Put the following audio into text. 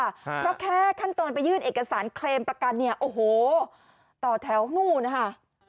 เพราะแค่ขั้นตอนไปยื่นเอกสารเคลมประกันเนี่ยโอ้โหต่อแถวนู่นนะคะ